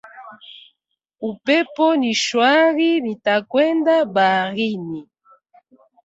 Upepo ni shwari nitakwenda baharini